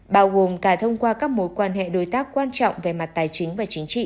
bao gồm cả thông qua các mối quan hệ đối tác quan trọng về mặt tài chính và chính trị